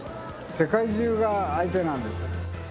世界中が相手なんですから。